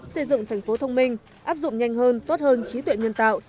xây dựng thành phố thông minh áp dụng nhanh hơn tốt hơn trí tuệ nhân tạo